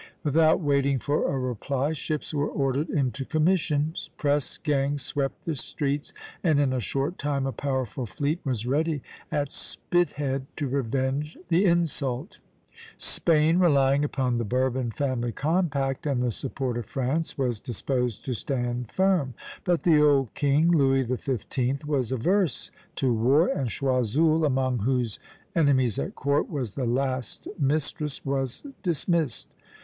Without waiting for a reply, ships were ordered into commission, press gangs swept the streets, and in a short time a powerful fleet was ready at Spithead to revenge the insult. Spain, relying upon the Bourbon family compact and the support of France, was disposed to stand firm; but the old king, Louis XV., was averse to war, and Choiseul, among whose enemies at court was the last mistress, was dismissed.